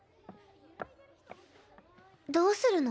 どうするの？